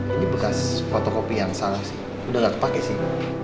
ini bekas fotokopi yang salah sih udah gak kepake sih